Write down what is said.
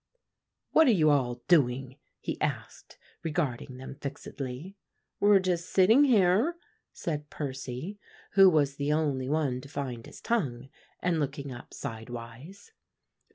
"What are you all doing?" he asked, regarding them fixedly. "We're just sitting here," said Percy, who was the only one to find his tongue, and looking up sidewise.